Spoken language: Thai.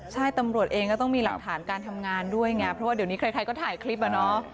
ใช่ตำรวจเองก็ต้องมีหลักฐานการทำงานด้วยไงเพราะว่าเดี๋ยวนี้ใครก็ถ่ายคลิปอะเนาะ